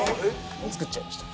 作っちゃいました。